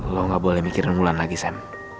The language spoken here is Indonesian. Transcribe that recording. lo gak boleh mikirin mulan lagi sam